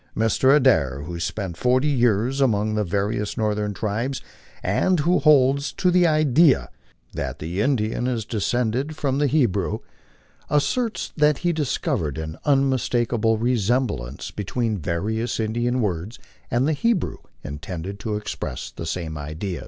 Mr. Adair, who spent forty years among the various northern tribes, and who holds to the idea that the Indian is descended from the Hebrew, as MI r LIFE ON THE PLAINS. 15 serts that he discovered an unmistakable resemblance between various Indian words and the Hebrew intended to express the same idea.